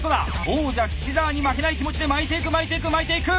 王者岸澤に負けない気持ちで巻いていく巻いていく巻いていく！